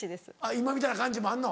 今みたいな感じもあるの？